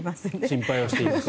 心配はしています。